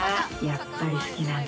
やっぱり好きなんだ。